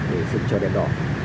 để dừng cho đèn đỏ